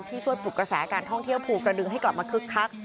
ช่วยปลุกกระแสการท่องเที่ยวภูกระดึงให้กลับมาคึกคัก